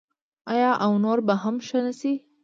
آیا او نور به هم ښه نشي؟